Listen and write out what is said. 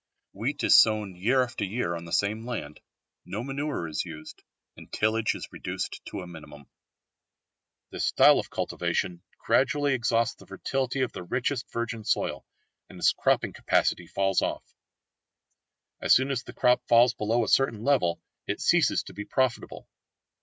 Wheat is sown year after year on the same land, no manure is used, and tillage is reduced to a minimum. This style of cultivation gradually exhausts the fertility of the richest virgin soil, and its cropping capacity falls off. As soon as the crop falls below a certain level it ceases to be profitable.